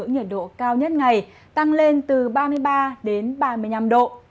nhiệt độ cao nhất ngày tăng lên từ ba mươi ba đến ba mươi năm độ